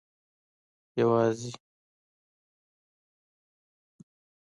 يوازې يوې ځانګړې ډلې زده کړې کولې.